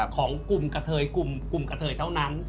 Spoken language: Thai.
ของกลุ่มกับเธอยกลุ่มกับเธอยเท่านั้น